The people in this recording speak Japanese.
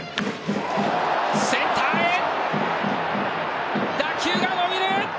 センターへ打球が伸びる。